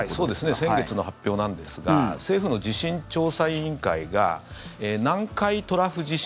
先月の発表なんですが政府の地震調査委員会が南海トラフ地震